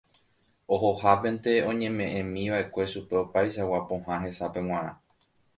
Ohohápente oñeme'ẽmiva'ekue chupe opaichagua pohã hesápe g̃uarã